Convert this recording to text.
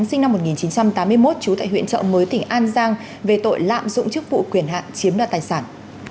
sinh năm một nghìn chín trăm tám mươi một trú tại huyện trợ mới tỉnh an giang về tội lạm dụng chức vụ quyền hạn chiếm đoạt tài sản